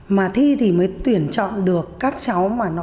mà thi thì mới tuyển chọn được các cháu mà nó